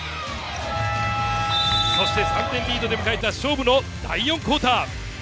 そして３点リードで迎えた勝負の第４クオーター。